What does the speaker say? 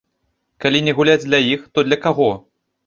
Калі не гуляць для іх, то для каго?